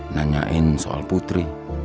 nanyain soal putri